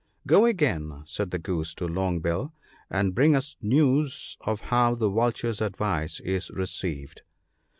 ' Go again !' said the Goose to Long bill, ' and bring us news of how the Vulture's advice is received.'